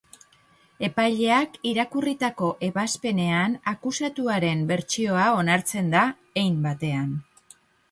Epaileak irakurritako ebazpenean akusatuaren bertsioa onartzen da, hein batean.